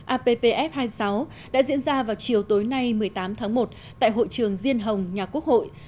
appf hai mươi sáu đã diễn ra vào chiều tối nay một mươi tám tháng một tại hội trường diên hồng nhà quốc hội